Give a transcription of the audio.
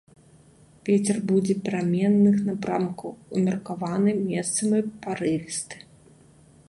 Вецер будзе пераменных напрамкаў, умеркаваны, месцамі парывісты.